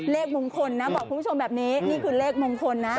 เลขมงคลนะบอกคุณผู้ชมแบบนี้นี่คือเลขมงคลนะ